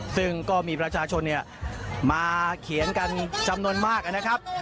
ซึ่งก็มีประชาชนมาเขียนกันจำนวนมากนะครับ